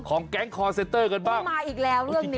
แก๊งคอร์เซนเตอร์กันบ้างมาอีกแล้วเรื่องนี้